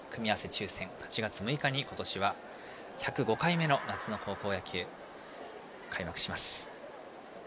抽選会８月６日に今年は１０５回目の夏の高校野球が開幕します。